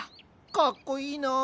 かっこいいな。